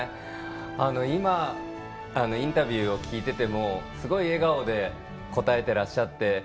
今、インタビューを聞いていてもすごい笑顔で答えていらっしゃって。